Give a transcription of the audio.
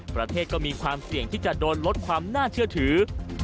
ประเทศก็มีความเสี่ยงที่จะโดนลดความน่าเชื่อถือ